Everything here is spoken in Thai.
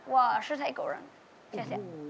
ว่าชื่อไทยโกหลังขอบคุณครับ